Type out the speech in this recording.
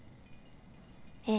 ええ。